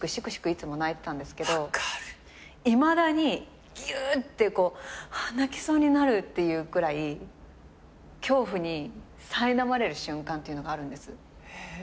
いつも泣いてたんですけどいまだにぎゅーってこう泣きそうになるっていうくらい恐怖にさいなまれる瞬間というのがあるんです。